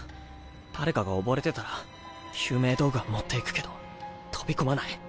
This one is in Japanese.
誰かが溺れてたら救命道具は持っていくけど飛び込まない。